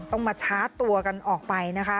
ต้องมาชาร์จตัวกันออกไปนะคะ